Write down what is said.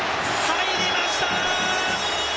入りました！